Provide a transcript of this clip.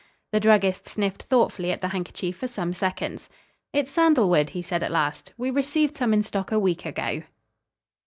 The druggist sniffed thoughtfully at the handkerchief for some seconds. "It's sandalwood," he said at last. "We received some in stock a week ago."